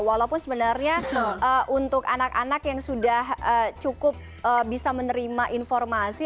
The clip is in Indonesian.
walaupun sebenarnya untuk anak anak yang sudah cukup bisa menerima informasi